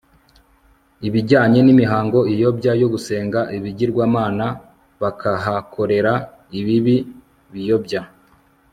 ibijyanye nimihango iyobya yo gusenga ibigirwamana bakahakorera ibibi biyobya